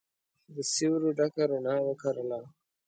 د سیورو ډکه روڼا وکرله